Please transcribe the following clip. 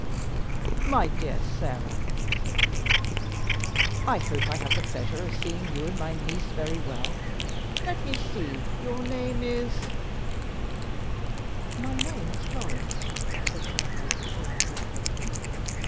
"My dear Sarah," said Sir Magnus, "I hope I have the pleasure of seeing you and my niece very well. Let me see, your name is " "My name is Florence," said the young lady so interrogated.